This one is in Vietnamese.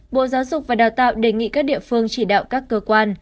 bộ giáo dục và đào tạo đề nghị các địa phương chỉ đạo các cơ quan